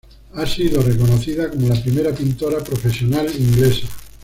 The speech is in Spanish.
Ha sido reconocida como la primera pintora profesional inglesa.